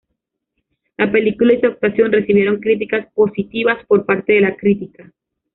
La película, y su actuación, recibieron críticas positivas por parte de la crítica.